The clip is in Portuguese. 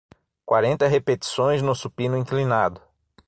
Quarenta repetições no supino inclinado